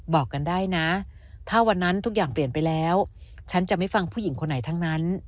บอกกันได้นะถ้าวันนั้นทุกอย่างเปลี่ยนไปแล้วฉันจะไม่ฟังผู้หญิงคนไหนทั้งนั้น